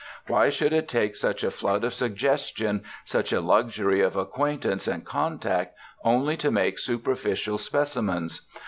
Why should it take such a flood of suggestion, such a luxury of acquaintance and contact, only to make superficial specimens?